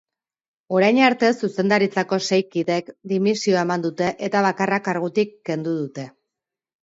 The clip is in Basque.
Orain arte zuzendaritzako sei kidek dimisioa eman dute eta bakarra kargutik kendu dute.